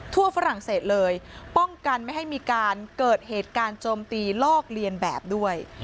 ฝรั่งเศสเลยป้องกันไม่ให้มีการเกิดเหตุการณ์โจมตีลอกเลียนแบบด้วย